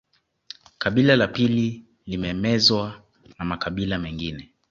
Kabila la pili limemezwa na makabila mengine